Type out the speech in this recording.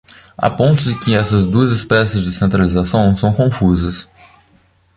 Há pontos em que essas duas espécies de centralização são confusas.